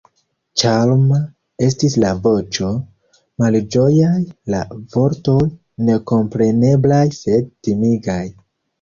Ĉarma estis la voĉo, malĝojaj la vortoj, nekompreneblaj sed timigaj.